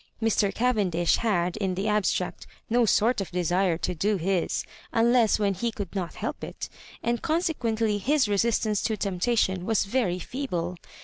Mr. Cavendish had in the abstract no sort of desire to do his unless when he could not help it, and consequently his resistance to temptation was very feeble.